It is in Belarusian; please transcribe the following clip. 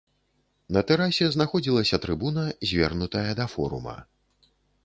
На тэрасе знаходзілася трыбуна, звернутая да форума.